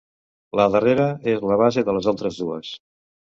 La darrera és la base de les altres dues.